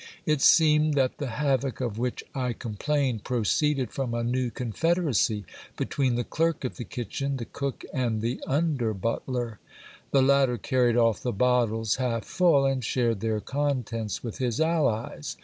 It seemed that the havoc of which I com plained proceeded from a new confederacy between the clerk of the kitchen, the cook, and the under butler. The latter carried off the bottles half full, and shared their contents with his allies.